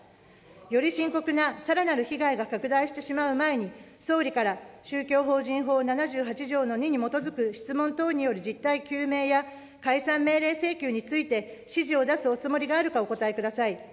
より深刻なさらなる被害が拡大してしまう前に、総理から宗教法人法７８条の２に基づく質問等による実態究明や解散命令請求について、指示を出すおつもりがあるかお答えください。